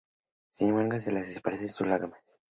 Sin embargo antes de desaparecer deja sus "lágrimas".